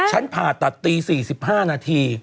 ผ่าตัดตี๔๕นาที